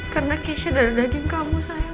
karena keisha darah daging kamu sayang